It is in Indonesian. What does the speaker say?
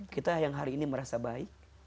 kita yang hari ini merasa baik